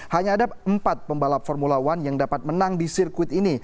hanya ada empat pembalap formula one yang dapat menang di sirkuit ini